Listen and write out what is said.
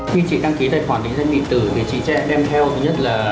khi chị đăng ký tài khoản định danh điện tử thì chị sẽ đem theo thứ nhất là